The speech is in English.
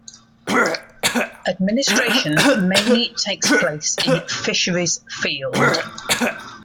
Administration mainly takes place in Fisheries Field.